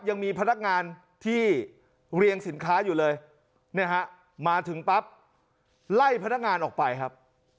ยังมีพนักงานที่เรียงสินค้าอยู่เลยเนี่ยฮะมาถึงปั๊บไล่พนักงานออกไปครับ